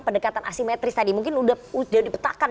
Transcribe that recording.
pendekatan asimetris tadi mungkin sudah dipetakan